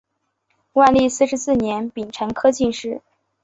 万历四十四年丙辰科进士。